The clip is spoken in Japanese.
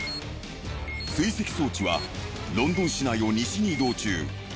追跡装置はロンドン市内を西に移動中。